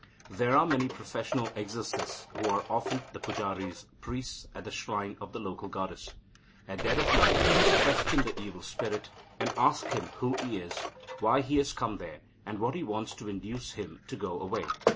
"There are many professional exorcists, who are often the pujaris (priests) at the shrine of the local goddess. At dead of night they question the evil spirit, and ask him who he is, why he has come there, and what he wants to induce him to go away.